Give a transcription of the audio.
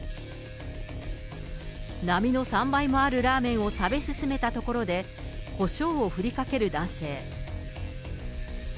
並の３倍もあるラーメンを食べ進めたところで、コショウを振りかける男性。